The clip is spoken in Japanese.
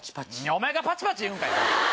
お前がパチパチ言うんかい！